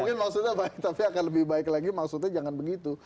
mungkin maksudnya baik tapi akan lebih baik lagi maksudnya jangan begitu